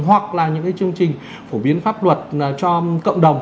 hoặc là những cái chương trình phổ biến pháp luật cho cộng đồng